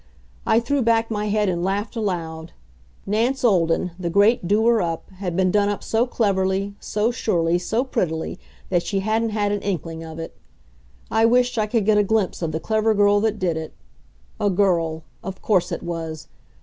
I threw back my head and laughed aloud. Nance Olden, the great doer up, had been done up so cleverly, so surely, so prettily, that she hadn't had an inkling of it. I wished I could get a glimpse of the clever girl that did it. A girl of course, it was!